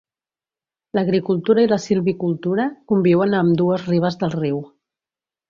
L'agricultura i la silvicultura conviuen a ambdues ribes del riu.